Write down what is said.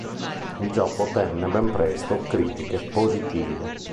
Il gioco ottenne ben presto critiche positive.